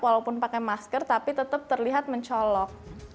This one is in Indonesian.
walaupun pakai masker tapi tetap terlihat mencolok